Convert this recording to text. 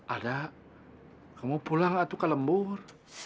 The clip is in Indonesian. abah kamu pulang aku kalembur